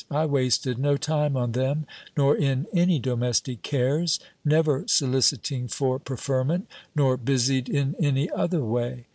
I wasted no time on them, nor in any domestic cares, never soliciting for preferment, nor busied in any other way.